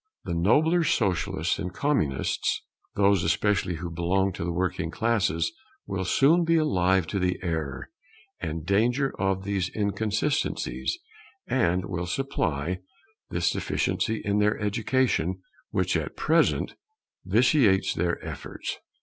The nobler socialists and communists, those especially who belong to the working classes, will soon be alive to the error and danger of these inconsistencies, and will supply this deficiency in their education, which at present vitiates their efforts.